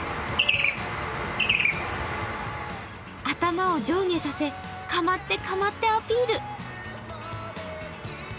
頭を上下させかまってかまってアピール。